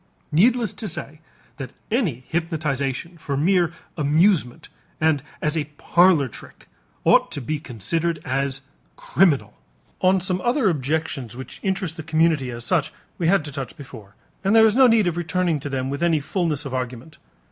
Needless to say that any hypnotization for mere amusement and as a parlor trick ought to be considered as criminal. On some other objections which interest the community as such we had to touch before, and there is no need of returning to them with any fullness of argument.